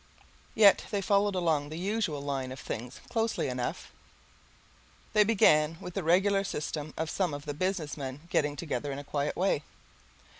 Yet they followed along the usual line of things closely enough. They began with the regular system of some of the business men getting together in a quiet way.